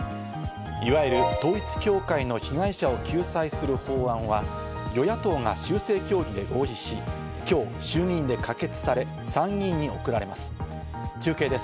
いわゆる統一教会の被害者を救済する法案は、与野党が修正協議で合意し、今日、衆議院で可決され、参議院に送られます。